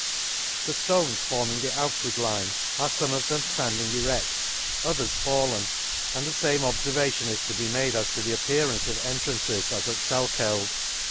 — The ftones forming the outward line are fomc of them ftanding eredt, others fallen, and the fame obfervation is to be made as to the appearance of entrances as at Salkeld.